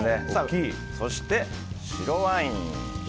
そして、白ワイン。